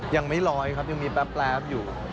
ยังไม่ลอยครับยังมีแป๊บอยู่